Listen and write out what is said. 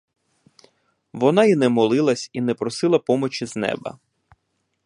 Вона й не молилась і не просила помочі з неба.